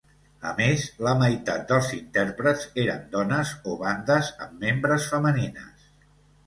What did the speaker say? A més, la meitat dels intèrprets eren dones o bandes amb membres femenines.